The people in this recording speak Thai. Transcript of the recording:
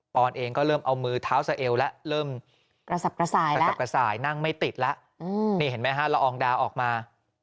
ออนเองก็เริ่มเอามือเท้าสะเอวแล้วเริ่มกระสับกระส่ายนั่งไม่ติดแล้วนี่เห็นไหมฮะละอองดาวออกมา